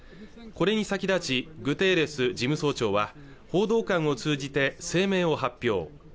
これに先立ちグテーレス事務総長は報道官を通じて声明を発表